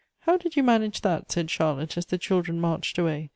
"How did you manage that?" said Charlotte, as the children marched away.